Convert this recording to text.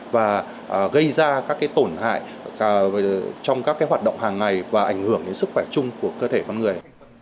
và gây ra các tổn hại trong các hoạt động hàng ngày và ảnh hưởng đến sức khỏe chung của cơ thể con người